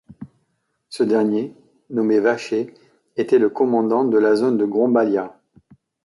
Ce dernier, nommé Vaché était le commandant de la zone de Grombalia.